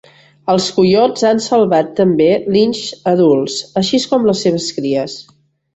Els coiots han salvat també linxs adults, així com les seves cries.